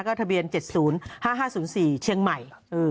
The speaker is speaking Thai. ทะเบียน๗๐๕๕๐๔เชียงใหม่